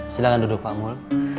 silahkan duduk pak mul